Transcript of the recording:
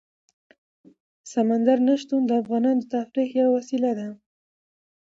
سمندر نه شتون د افغانانو د تفریح یوه وسیله ده.